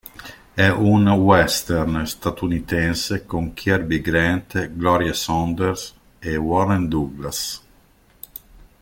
È un western statunitense con Kirby Grant, Gloria Saunders e Warren Douglas.